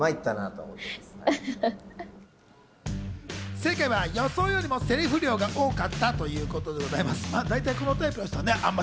正解は予想よりセリフ量が多かったということでございます。